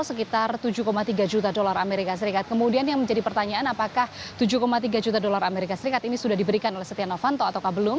setia novanto sekitar tujuh tiga juta dolar as kemudian yang menjadi pertanyaan apakah tujuh tiga juta dolar as ini sudah diberikan oleh setia novanto atau belum